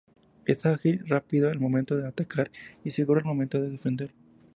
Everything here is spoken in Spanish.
Es ágil y rápido al momento de atacar, y seguro al momento de defender.